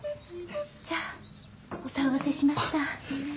じゃあお騒がせしました。